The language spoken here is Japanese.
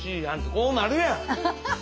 こうなるやん！